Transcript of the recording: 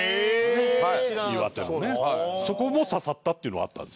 そこも刺さったっていうのはあったんですよね。